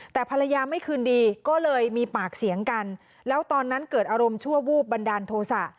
แต่ภรรยาไม่คืนดีก็เลยมีปากเสียงกันแล้วตอนนั้นเกิดอารมณ์ชั่ววูบบันดาลโทษะ